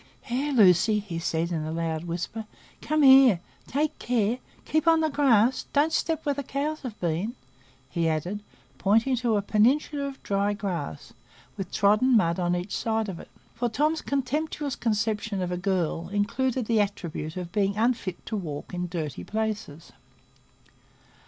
"Here, Lucy!" he said in a loud whisper, "come here! take care! keep on the grass!—don't step where the cows have been!" he added, pointing to a peninsula of dry grass, with trodden mud on each side of it; for Tom's contemptuous conception of a girl included the attribute of being unfit to walk in dirty places.